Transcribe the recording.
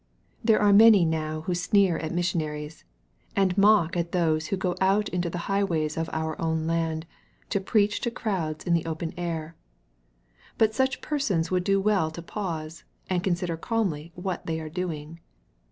There are many now who sneer at missionaries, and mock at those who go out into the high ways of our own land, to preach to crowds in the open air. But such persons would do well to pause, and consider calmly what they are doing.